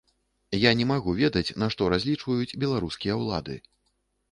Я не магу ведаць на што разлічваюць беларускія ўлады.